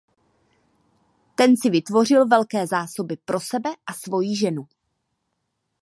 Ten si vytvořil velké zásoby pro sebe a svoji ženu.